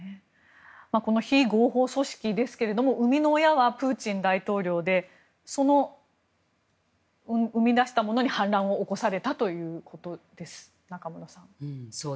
非合法組織ですが生みの親はプーチン大統領で生み出したものに反乱を起こされたということですか、中室さん。